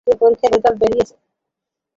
তোর পরীক্ষার রেজাল্ট বেরিয়েছে।